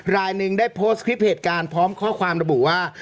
รายหนึ่งได้โพสต์คลิปเหตุการณ์พร้อมข้อความระบุว่า